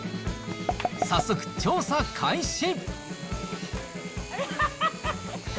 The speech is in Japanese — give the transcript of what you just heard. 早速、調査開始。